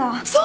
そう！